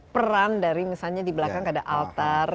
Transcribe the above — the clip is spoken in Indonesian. peran dari misalnya di belakang ada altar